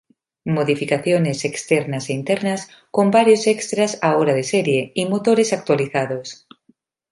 Modificaciones externas e internas, con varios extras ahora de serie, y motores actualizados.